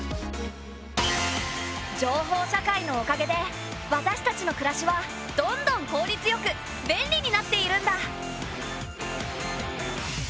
情報社会のおかげで私たちの暮らしはどんどん効率よく便利になっているんだ。